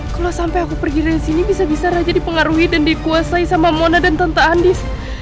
kalau sampai aku pergi dari sini bisa bisa raja dipengaruhi dan dikuasai sama mona dan tante andis